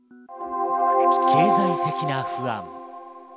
経済的な不安。